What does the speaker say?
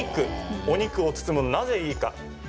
お肉を包むと、なぜいいか。